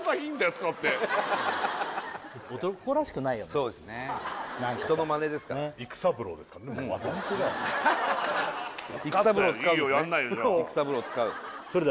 使ってそうですね人のマネですから育三郎使うんですね